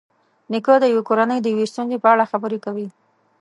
نیکه د کورنۍ د یوې ستونزې په اړه خبرې کوي.